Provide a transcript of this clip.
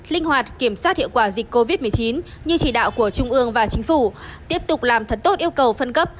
linh hoạt kiểm soát hiệu quả dịch covid một mươi chín như chỉ đạo của trung ương và chính phủ tiếp tục làm thật tốt yêu cầu phân cấp